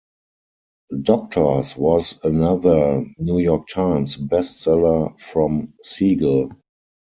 "Doctors" was another "New York Times" bestseller from Segal.